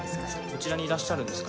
こちらにいらっしゃるんですか？